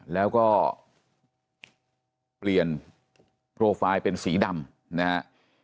แล้วก็เปลี่ยนโปรไฟล์เป็นสีดำนะฮะ